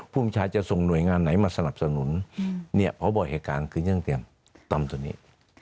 ผู้มือชายจะส่งหน่วยงานไหนมาสนับสนุนเพราะบริการณ์คือยังเตรียมต่อมตัวนี้